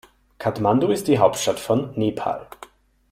Kathmandu ist die Hauptstadt von Nepal.